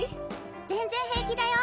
全然平気だよ？